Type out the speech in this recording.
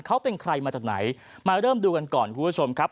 เขาเป็นใครมาจากไหนมาเริ่มดูกันก่อนคุณผู้ชมครับ